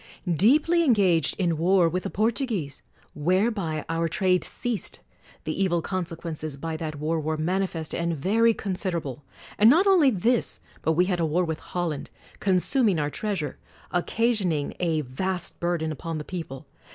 Deeply engaged in war with the Portuguese; whereby our trade ceased: the evil consequences by that war were manifest and very considerable. And not only this, but we had a war with Holland; consuming our treas ure ; occasioning a vast burden upon the people.